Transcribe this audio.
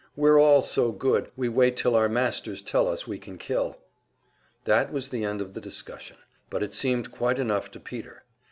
"We're all so good we wait till our masters tell us we can kill." That was the end of the discussion; but it seemed quite enough to Peter.